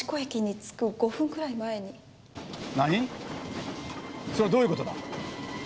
それはどういう事だ？